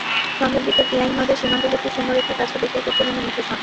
সন্ধ্যার দিকে পিয়াইন নদের সীমান্তবর্তী শূন্যরেখার কাছে গোসল করতে নেমে নিখোঁজ হন।